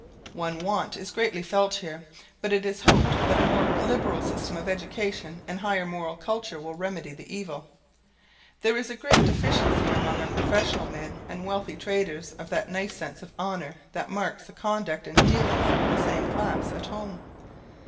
One want is greatly felt here; but it is to be hoped that a more liberal system of education and higher moral culture will remedy the evil. There is a great deficiency among our professional men and wealthy traders of that nice sense of honour that marks the conduct and dealings of the same class at home.